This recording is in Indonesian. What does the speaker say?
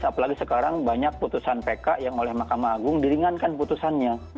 apalagi sekarang banyak putusan pk yang oleh mahkamah agung diringankan putusannya